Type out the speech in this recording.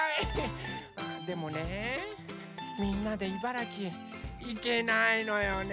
でもねみんなで茨城へいけないのよね。